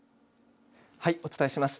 はい、お伝えします。